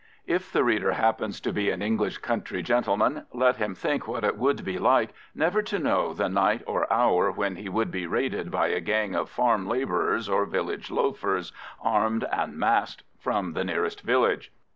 If the reader happens to be an English country gentleman, let him think what it would be like never to know the night or hour when he would be raided by a gang of farm labourers or village loafers, armed and masked, from the nearest village.